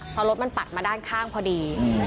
เพราะรถมันปัดมาด้านข้างพอดี